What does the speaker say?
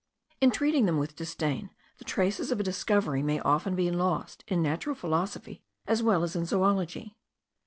In treating them with disdain, the traces of a discovery may often be lost, in natural philosophy as well as in zoology.